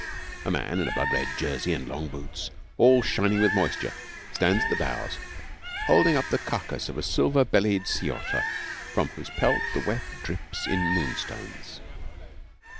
A man in blood red jersey and long boots, all shining with moisture, stands at the bows holding up the carcase of a silver bellied sea otter from whose pelt the wet drips in moonstones.